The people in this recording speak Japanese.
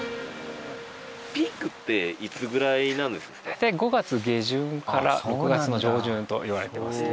大体５月下旬から６月の上旬といわれてますね。